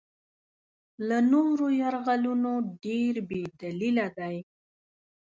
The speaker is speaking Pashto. له نورو یرغلونو ډېر بې دلیله دی.